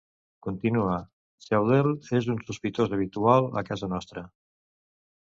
Continua: Claudel és un sospitós habitual a casa nostra.